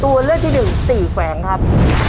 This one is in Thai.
ตัวเลือกที่๑๔แขวงครับ